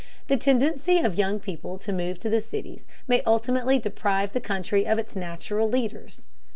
The tendency of young people to move to the cities may ultimately deprive the country of its natural leaders.